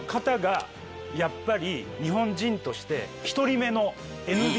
やっぱり日本人として１人目の。